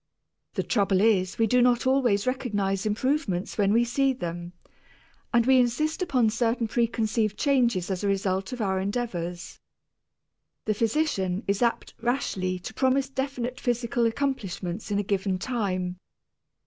The trouble is we do not always recognize improvements when we see them, and we insist upon certain preconceived changes as a result of our endeavors. The physician is apt rashly to promise definite physical accomplishments in a given time.